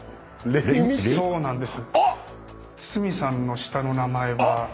そうなんです。